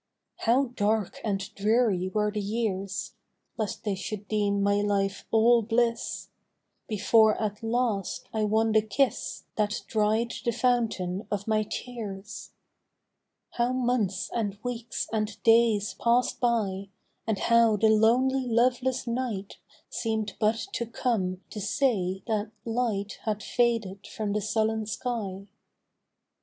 How dark and dreary were the years (Lest they should deem my life all bliss), Before at last I won the kiss That dried the fountain of my tears. How months and weeks and days pass'd by, And how the lonely loveless night Seem'd but to come to say that light Had faded from the sullen sky.